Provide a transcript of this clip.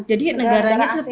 jadi negaranya sepuluh